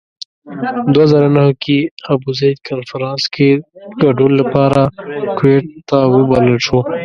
دوه زره نهه کې ابوزید کنفرانس کې ګډون لپاره کویت ته وبلل شو.